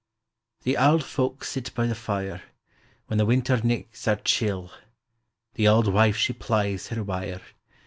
The auld folks sit by the fire, When the winter nichts are chill; The auld wife she plies her wire.